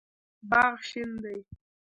باغ شین دی